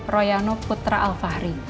royano putra alfahri